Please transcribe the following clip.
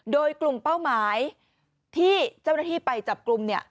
โดยกลุ่มเป้าหมายที่เจ้าหน้าที่ไปจับกลุ่มเนี่ย